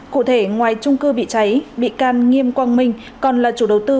cụ thể ngoài trung cư bị cháy bị can nghiêm quang minh còn là chủ đầu tư